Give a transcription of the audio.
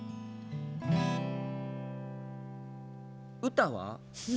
歌は？